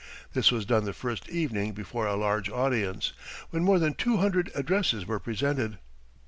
This was done the first evening before a large audience, when more than two hundred addresses were presented.